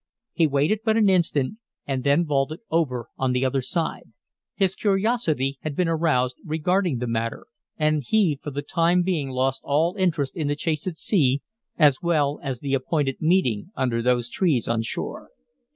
He waited but an instant, and then vaulted over on the other side. His curiosity had been aroused regarding the matter and he for the time being lost all interest in the chase at sea, as well as the appointed meeting under those trees on shore.